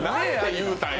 言うたんや。